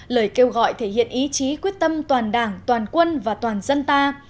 lời kêu gọi thể hiện ý chí quyết tâm toàn đảng toàn quân và toàn dân ta